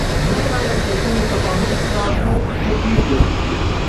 نه باید د سوء تفاهم ښکار شو، نه کېږو.